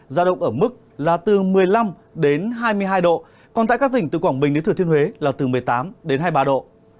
giao động ở mức là từ một mươi năm đến hai mươi hai độ còn tại các tỉnh từ quảng bình đến thừa thiên huế là từ một mươi tám đến hai mươi ba độ